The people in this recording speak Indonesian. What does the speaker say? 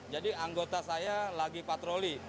jadi anggota saya lagi patroli